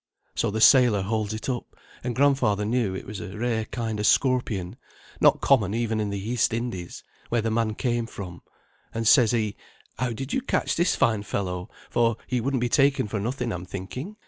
So the sailor holds it up, and grandfather knew it was a rare kind o' scorpion, not common even in the East Indies where the man came from; and says he, 'How did ye catch this fine fellow, for he wouldn't be taken for nothing I'm thinking?'